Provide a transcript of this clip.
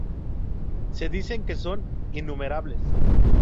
Se dicen que son innumerables.